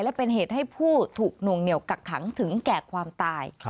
และเป็นเหตุให้ผู้ถูกนวงเหนียวกักขังถึงแก่ความตาย